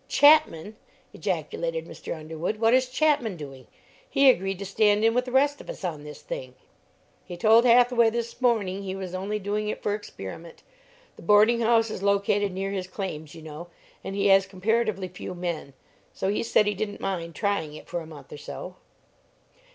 "Chapman!" ejaculated Mr. Underwood; "what is Chapman doing? He agreed to stand in with the rest of us on this thing!" "He told Hathaway this morning he was only doing it for experiment. The boarding house is located near his claims, you know, and he has comparatively few men. So he said he didn't mind trying it for a month or so."